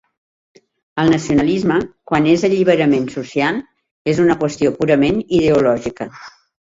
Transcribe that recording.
El nacionalisme, quan és alliberament social, és una qüestió purament ideològica.